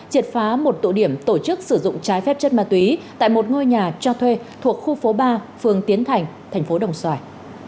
triệt phá một tụ điểm tổ chức sử dụng trái phép chất ma túy tại một ngôi nhà cho thuê thuộc khu phố ba phương tiến thành thành phố đồng xoài